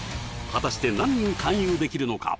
果たして何人勧誘できるのか？